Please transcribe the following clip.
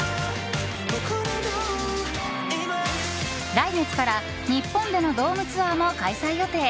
来月から日本でのドームツアーも開催予定。